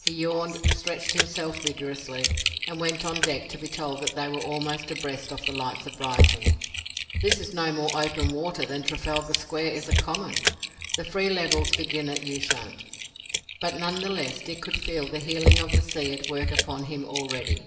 He yawned, stretched himself vigorously, and went on deck to be told that they were almost abreast of the lights of Brighton. This is no more open water than Trafalgar Square is a common; the free levels begin at Ushant; but none the less Dick could feel the healing of the sea at work upon him already.